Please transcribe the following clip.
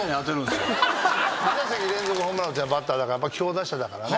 ２打席連続ホームラン打ってたバッターだから強打者だからね。